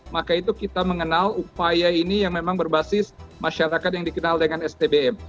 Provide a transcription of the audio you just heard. maka itu kita mengenal upaya ini yang memang berbasis masyarakat yang dikenal dengan stbm